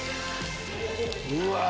うわ！